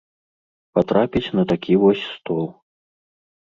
Патрапіць на такі вось стол.